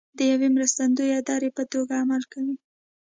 د یوې مرستندویه دړې په توګه عمل کوي